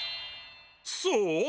そう？